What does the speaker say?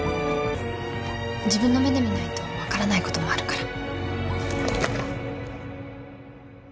自分の目で見ないと分からないこともあるから。